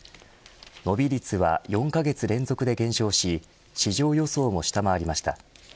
伸び率は４カ月連続で減少し市場予想を下回りました。